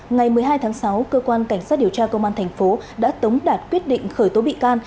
ngày một mươi hai tháng sáu cơ quan cảnh sát điều tra công an thành phố đã tống đạt quyết định khởi tố bị can